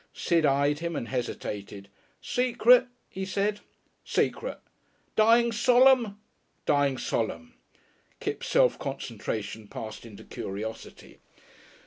Sid eyed him and hesitated. "Secret?" he said. "Secret." "Dying solemn?" "Dying solemn!" Kipps' self concentration passed into curiosity.